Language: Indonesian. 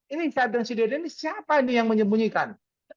ini aib dan si dede ini siapa yang menyembunyikan